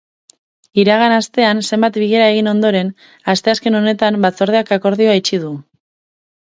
Iragan astean zenbait bilera egin ondoren, asteazken honetan batzordeak akordioa itxi du.